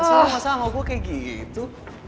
salah masalah mau gue kayak gitu